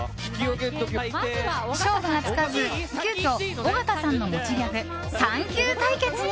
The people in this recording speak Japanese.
勝負がつかず、急きょ尾形さんの持ちギャグサンキュー対決に。